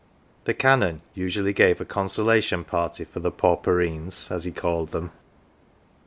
The Canon usually gave a consolation party for the " pauperines " as he called them.